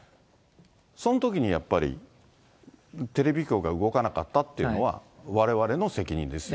そのときにやっぱり、テレビ局が動かなかったっていうのは、われわれの責任ですよ。